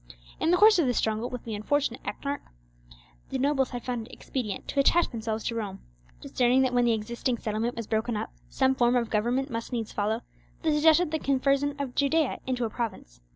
In the course of the struggle with the unfortunate ethnarch, the nobles had found it expedient to attach themselves to Rome. Discerning that when the existing settlement was broken up some form of government must needs follow, they suggested the conversion of Judea into a province.